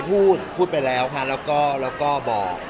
เคยพูดพูดไปแล้วค่ะแล้วก็แล้วก็บอก